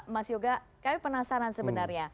mas yoga kami penasaran sebenarnya